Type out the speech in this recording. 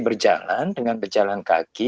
berjalan dengan berjalan kaki